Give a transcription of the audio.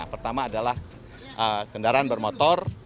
pertama adalah kendaraan bermotor